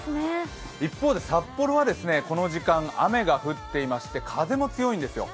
一方で札幌はこの時間雨が降っていまして風も強いんですよ。